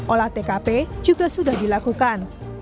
olah tkp juga sudah dilakukan